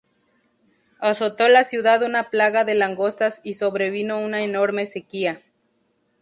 Azotó la ciudad una plaga de langostas y sobrevino una enorme sequía.